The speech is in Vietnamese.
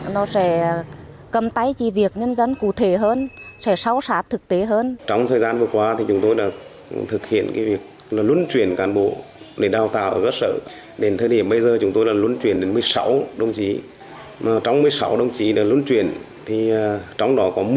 nó sẽ cầm tay chỉ việc nhân dân cụ thể hơn sẽ sâu sát thực tế hơn